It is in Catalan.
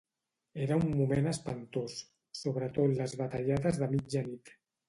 Era un moment espantós, sobretot les batallades de mitjanit.